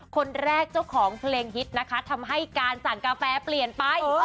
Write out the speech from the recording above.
คนแรกเจ้าของเพลงฮิตนะคะทำให้การสั่งกาแฟเปลี่ยนไป